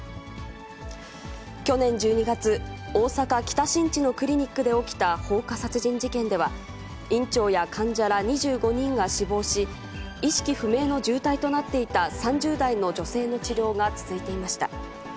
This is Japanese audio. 去年１２月、大阪・北新地のクリニックで起きた放火殺人事件では、院長や患者ら２５人が死亡し、意識不明の重体となっていた３０代の女性の治療が続いていました。